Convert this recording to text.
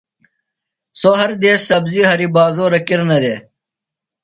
سوۡ ہر دیس سبزیۡ ہریۡ بازورہ کِرنہ دےۡ۔